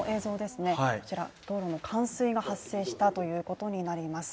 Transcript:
道路の冠水が発生したということになります。